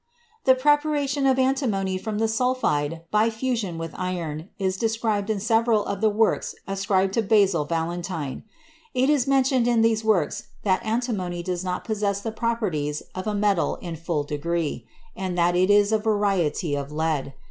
The preparation of antimony from the sulphide by fusion with iron, is described in several of the works ascribed to Basil Valentine. It is mentioned in these works that antimony does not possess the properties of a metal in full degree, and that it is a variety of lead.